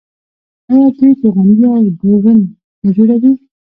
آیا دوی توغندي او ډرون نه جوړوي؟